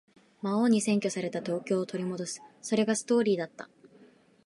魔王に占拠された東京を取り戻す。それがストーリーだった。